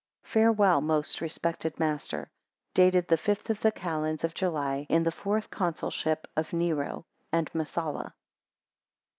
Farewell, most respected master. Dated the fifth of the calends of July, in the fourth Consulship of Nero, and Messala.